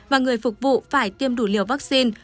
và người phục vụ phải tiêm đủ liều vaccine